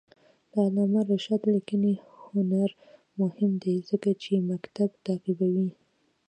د علامه رشاد لیکنی هنر مهم دی ځکه چې مکتب تعقیبوي.